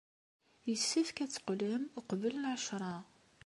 Yessefk ad d-teqqlem uqbel lɛecṛa.